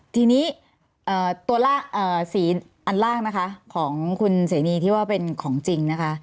ทีนี้ตัวสีอันล่างนะคะของคุณเสนีที่ว่าเป็นของจริงนะคะ